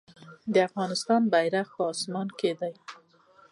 د افغانستان بیرغ په اسمان کې دی